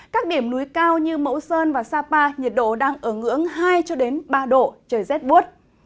các điểm núi cao như mẫu sơn và sapa nhiệt độ đang ở ngưỡng hai ba độ trời rét buốt